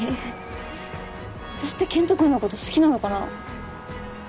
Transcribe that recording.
私って健人君のこと好きなのかな？